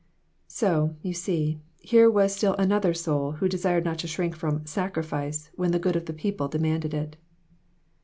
So, you see, here was still another soul who desired not to shrink from " sacrifice" when the good of the people demanded it